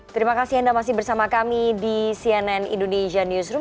terima kasih anda masih bersama kami di cnn indonesia newsroom